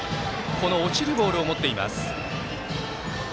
落ちるボールを持っています。